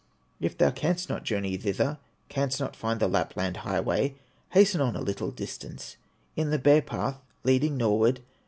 "If thou canst not journey thither, Canst not find the Lapland highway, Hasten on a little distance, In the bear path leading northward.